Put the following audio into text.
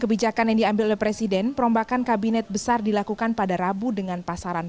kebijakan yang diambil oleh presiden perombakan kabinet besar dilakukan pada rabu dengan pasaran